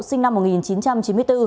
sinh năm một nghìn chín trăm chín mươi bốn